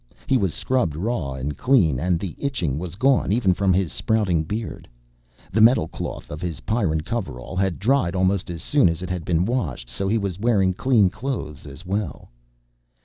He was scrubbed raw and clean and the itching was gone even from his sprouting beard. The metalcloth of his Pyrran coverall had dried almost as soon as it had been washed so he was wearing clean clothes as well.